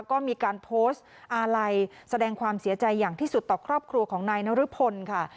ก็มีการโพสต์อาลัยแสดงความเสียใจอย่างที่สุดต่อครอบครัวของนายนรพลค่ะ